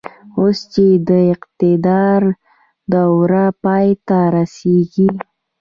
اوس چې يې د اقتدار دوره پای ته رسېږي.